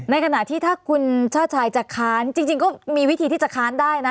ในขณะที่ถ้าคุณชาติชายจะค้านจริงก็มีวิธีที่จะค้านได้นะ